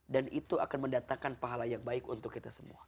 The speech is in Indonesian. dan itu akan mendatakan pahala yang baik untuk kita semua